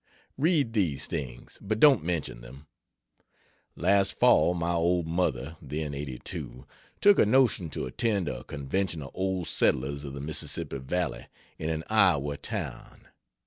Read these things, but don't mention them. Last fall, my old mother then 82 took a notion to attend a convention of old settlers of the Mississippi Valley in an Iowa town.